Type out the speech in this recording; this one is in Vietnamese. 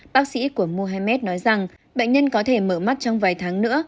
bác sĩ của mohammed nói rằng bệnh nhân có thể mở mắt trong vài tháng nữa